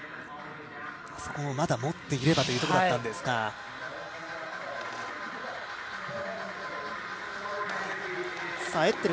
まだ持っていればというところだったんですかね。